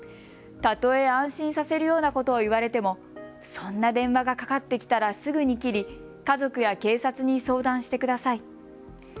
たとえ安心させるようなことを言われてもそんな電話がかかってきたらすぐに切り家族や警察に相談してください。